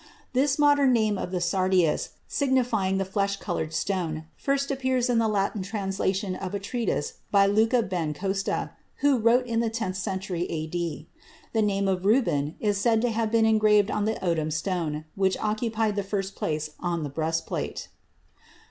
This modern name of the sardius, signifying the "flesh colored" stone, first appears in the Latin translation of a treatise by Luca ben Costa, who wrote in the tenth century A.D. The name of Reuben is said to have been engraved on the odem stone, which occupied the first place on the breastplate.